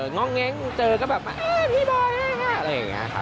ง่องเง้งเจอก็แบบพี่บอยอะไรอย่างนี้ค่ะ